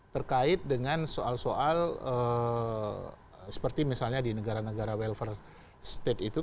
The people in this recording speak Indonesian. terkait dengan soal soal seperti misalnya di negara negara welfare state itu